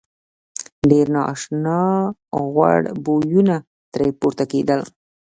ډېر نا آشنا غوړ بویونه ترې پورته کېدل.